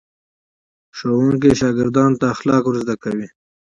ښوونکي شاګردانو ته اخلاق ور زده کوي.